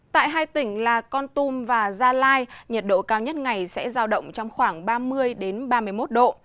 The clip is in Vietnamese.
tại hai tỉnh là con tum và gia lai nhiệt độ cao nhất ngày sẽ giao động trong khoảng ba mươi ba mươi một độ